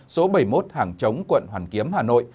số bảy mươi một hàng chống quận hoàn kiếm hà nội